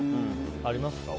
ありますか？